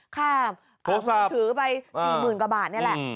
ค่าโทรศัพท์ถือไป๒๐๐๐๐กว่าบาทนี่แหละ